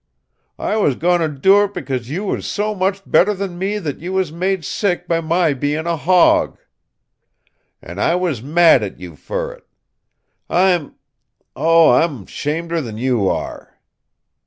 I was goin' to do it because you was so much better than me that you was made sick by my bein' a hawg. An' I was mad at you fer it. I'm oh, I'm shameder than you are!